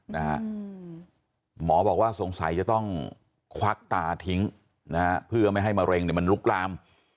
หมอบอกว่าสงสัยจะต้องควักตาทิ้งนะฮะเพื่อไม่ให้มะเร็งเนี่ยมันลุกลาม